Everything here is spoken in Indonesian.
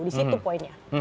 di situ poinnya